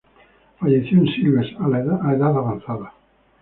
Falleció en Silves a edad avanzada.